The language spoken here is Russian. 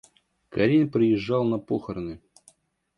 Каренин приезжал на похороны.